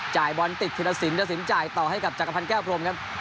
จ่ายบอลติดเทียดสินและสินจ่ายต่อให้กับจักรพันธ์แก้วโพรมครับ